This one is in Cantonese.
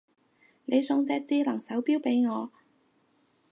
你送隻智能手錶俾我